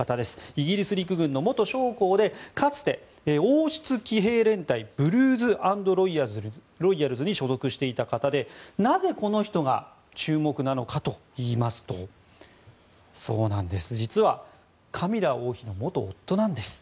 イギリス陸軍の元将校でかつて王室騎兵連隊ブルーズ・アンド・ロイヤルズに所属していた方でなぜ、この人が注目なのかといいますとそうなんです、実はカミラ王妃の元夫なんです。